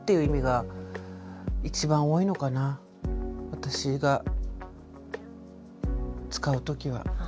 私が使う時は。